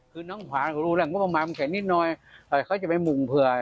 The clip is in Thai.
คือน้องหวานก็รู้แหละมันใช้นิดหน่อยเขาจะไปมุ่งเผื่อ